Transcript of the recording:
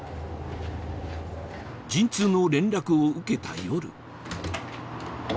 陣痛の連絡を受けた夜ＯＫＯＫ